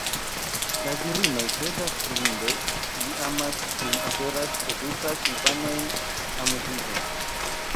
La virinoj kredas blinde; ili amas, sin oferas, edukas infanojn, amuziĝas.